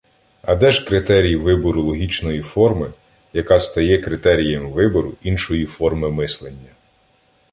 А де ж критерій вибору логічної форми, яка стає критерієм вибору іншої форми мислення?